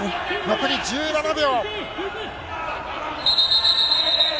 残り１７秒。